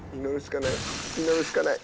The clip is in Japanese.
祈るしかない！